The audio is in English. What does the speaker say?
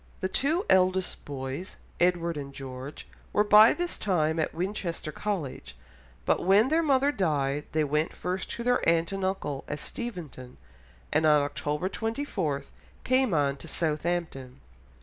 The two eldest boys, Edward and George, were by this time at Winchester College, but when their mother died they went first to their aunt and uncle at Steventon, and on October 24 came on to Southampton.